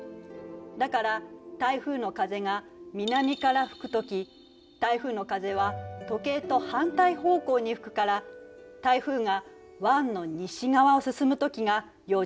だから台風の風が南から吹く時台風の風は時計と反対方向に吹くから台風が湾の西側を進む時が要注意ね。